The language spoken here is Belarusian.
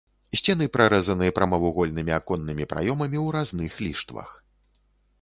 Сцены прарэзаны прамавугольнымі аконнымі праёмамі ў разных ліштвах.